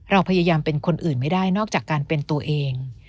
เราพยายามเป็นคนอื่นไม่ได้นอกจากการเป็นตัวเอง